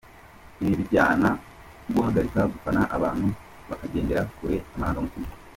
Ibi bijyana no guhagarika gufana abantu bakagendera kure amarangamutima.